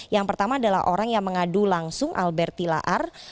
yang pertama adalah orang yang mengadu langsung alberti laar